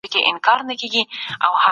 علمي څېړنې باید بې پرې وي.